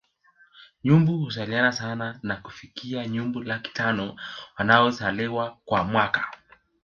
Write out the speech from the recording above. Nyumbu huzaliana sana na kufikia nyumbu laki tano wanaozaliwa kwa mwaka